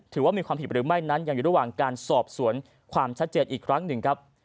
ถือว่ามีความผิดหรือไม่นั้นยังอยู่ระหว่างการสอบสวนความชัดเจนอีกครั้งหนึ่งครับ